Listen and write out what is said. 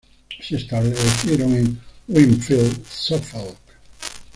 Se establecieron en Wingfield, Suffolk.